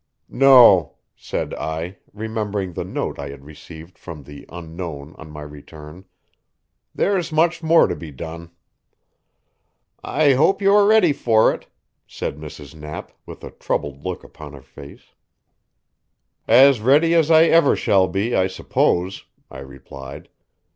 "No," said I, remembering the note I had received from the Unknown on my return, "there's much more to be done." "I hope you are ready for it," said Mrs. Knapp, with a troubled look upon her face. "As ready as I ever shall be, I suppose," I replied.